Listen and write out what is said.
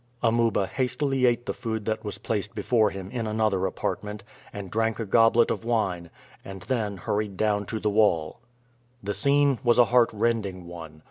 Amuba hastily ate the food that was placed before him in another apartment, and drank a goblet of wine, and then hurried down to the wall. The scene was a heart rending one.